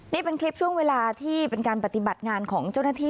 นี่เป็นคลิปช่วงเวลาที่เป็นการปฏิบัติงานของเจ้าหน้าที่